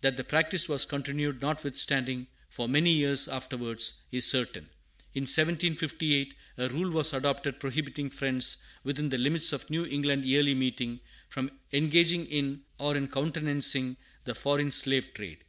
That the practice was continued notwithstanding, for many years afterwards, is certain. In 1758, a rule was adopted prohibiting Friends within the limits of New England Yearly Meeting from engaging in or countenancing the foreign slave trade.